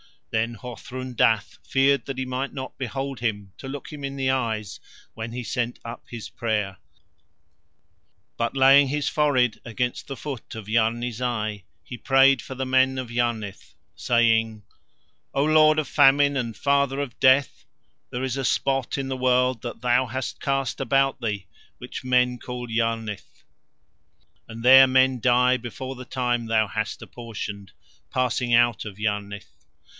Then Hothrun Dath feared that he might not behold him to look him in the eyes when he sent up his prayer. But laying his forehead against the foot of Yarni Zai he prayed for the men of Yarnith, saying: "O Lord of Famine and Father of Death, there is a spot in the world that thou hast cast about thee which men call Yarnith, and there men die before the time thou hast apportioned, passing out of Yarnith.